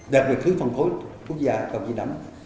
đạt được thứ phòng khối quốc gia công ty đám